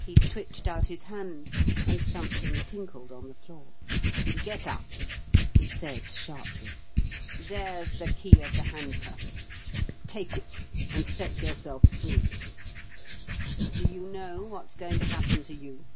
He twitched out his hand, and something tinkled on the floor. "Get up!" he said sharply. "There's the key of the handcuffs; take it and set yourself free. Do you know what's going to happen to you?